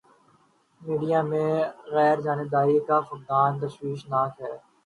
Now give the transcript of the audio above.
Media میں غیر جانبداری کا فقدان تشویش ناک ہے۔